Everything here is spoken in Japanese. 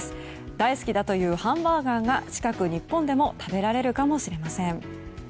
大好きだというハンバーガーが近く日本でも食べられるかもしれません。